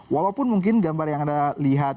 walaupun mungkin gambar yang anda lihat